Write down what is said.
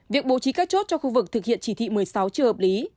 việc bố trí các chốt cho khu vực thực hiện chỉ thị một mươi sáu chưa hợp lý